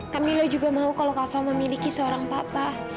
kamila juga mau kalau kava memiliki seorang papa